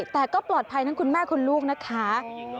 แต่ก็ปลอดภัยทั้งคุณแม่คุณลูกนะคะ